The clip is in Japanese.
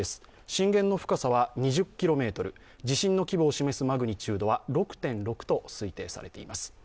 震源の深さは２０ｋｍ、地震の規模を示すマグニチュードは６．６と推定されています。